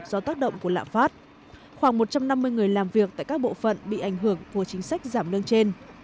do tác động của lạm phát khoảng một trăm năm mươi người làm việc tại các bộ phận bị ảnh hưởng của chính sách giảm lương trên